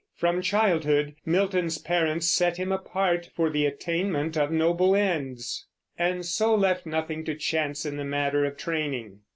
From childhood Milton's parents set him apart for the attainment of noble ends, and so left nothing to chance in the matter of training.